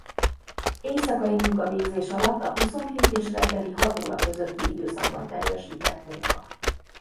Éjszakai munkavégzés alatt a huszonkét és reggeli hat óra közötti időszakban teljesített munka.